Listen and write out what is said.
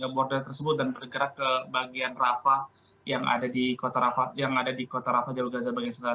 border tersebut dan bergerak ke bagian rafah yang ada di kota rafah jalur gaza bagian selatan